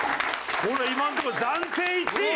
これ今のところ暫定１位！